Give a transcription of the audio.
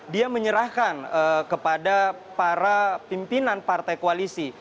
dia menyerahkan kepada para pimpinan partai koalisi